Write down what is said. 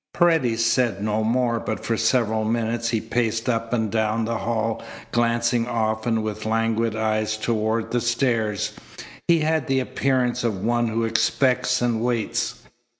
Paredes said no more, but for several minutes he paced up and down the hall, glancing often with languid eyes toward the stairs. He had the appearance of one who expects and waits.